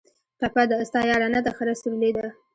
ټپه ده: ستا یارانه د خره سورلي ده